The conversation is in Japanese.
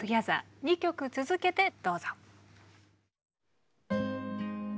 ２曲続けてどうぞ。